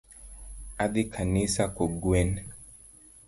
Adhi kanisa kogwen